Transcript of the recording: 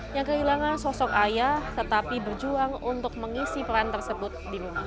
yang kehilangan sosok ayah tetapi berjuang untuk mengisi peran tersebut di dunia